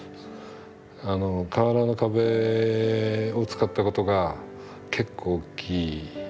瓦の壁を使ったことが結構大きい。